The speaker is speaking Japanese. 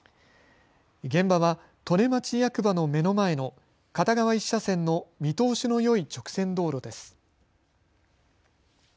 現場は利根町役場の目の前の片側１車線の見通しのよい直線道路です。